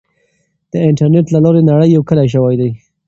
د انټرنیټ له لارې نړۍ یو کلی سوی دی.